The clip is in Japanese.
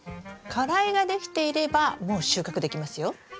花蕾ができていればもう収穫できますよ。